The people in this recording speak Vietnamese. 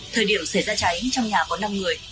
thời điểm xảy ra cháy trong nhà có năm người